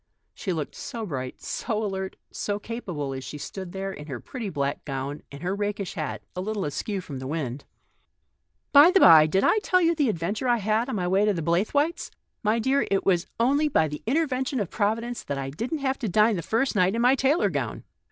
She looked so bright, so alert, so capable, as she stood there, in her pretty black gown and her rakish hat, a little askew with the wind. " By the bye, did I tell you the adventures I had on my visit to the Blaythewaites ? My dear, it was only by the intervention of Providence that I didn't have to dine the first night in my tailor gown.